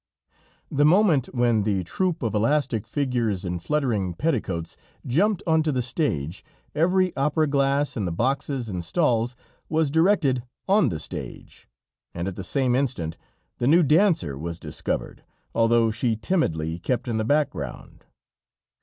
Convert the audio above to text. The moment when the troop of elastic figures in fluttering petticoats jumped onto the stage, every opera glass in the boxes and stalls was directed on the stage, and at the same instant the new dancer was discovered, although she timidly kept in the background.